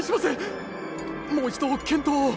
もう一度検討を！